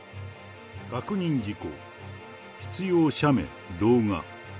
確認事項、必要写メ、動画。